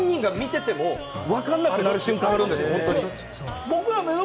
やった本人が見てても分かんなくなる瞬間があるんですよ、ホントに。